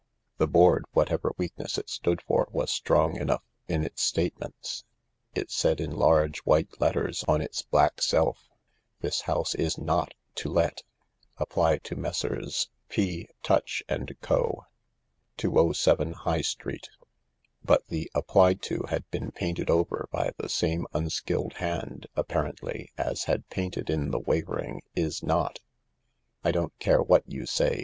The board, whatever weakness it stood for, was strong enough in its statements. It said in large white letters on its black self: THIS HOUSE IS NOT TO LET, Apply to : Messrs. P. Tutch & Co., 207, High Street. But the " Apply to " had been painted over by the same unskilled hand, apparently, as had painted in the wavering IS NOT. 6 "I don't care what you say."